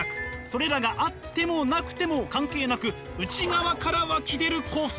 それらがあってもなくても関係なく内側から湧き出る幸福。